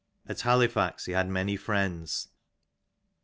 At HaUfax he had many friends.